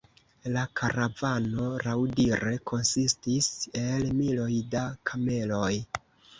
La karavano laŭdire konsistis el "miloj da kameloj".